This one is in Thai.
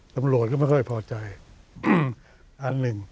ตำรวจก็ไม่ค่อยพอใจอันหนึ่ง